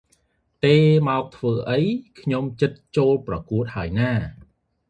តេមកធ្វើអី ខ្ញុំជិតចូលប្រគួតហើយណា ។